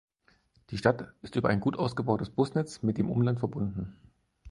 Die Stadt ist über ein gut ausgebautes Busnetz mit dem Umland verbunden.